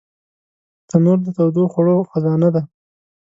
تنور د تودو خوړو خزانه ده